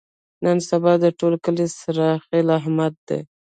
نن سبا د ټول کلي سرخیل احمد دی.